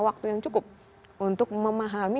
waktu yang cukup untuk memahami